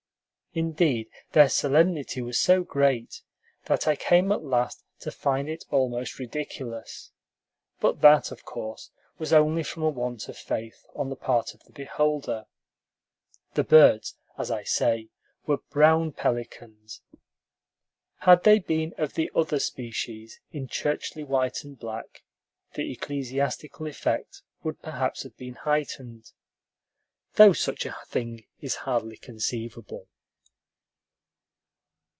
Indeed, their solemnity was so great that I came at last to find it almost ridiculous; but that, of course, was only from a want of faith on the part of the beholder. The birds, as I say, were brown pelicans. Had they been of the other species, in churchly white and black, the ecclesiastical effect would perhaps have been heightened, though such a thing is hardly conceivable.